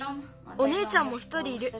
おねえちゃんも１人いる。